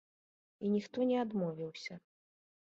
І ніхто не адмовіўся.